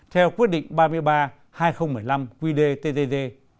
theo quyết định ba mươi ba hai nghìn một mươi năm quy đề tdd